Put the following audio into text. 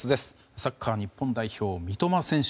サッカー日本代表の三笘選手